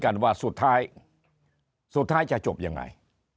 กันว่าสุดท้ายสุดท้ายจะจบยังไง